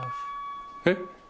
えっ？